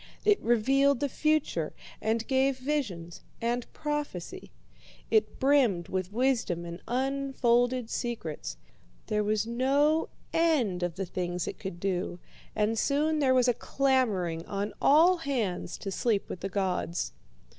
It revealed the future, and gave visions and prophecy. It brimmed with wisdom and unfolded secrets. There was no end of the things it could do, and soon there was a clamouring on all hands to sleep with the gods.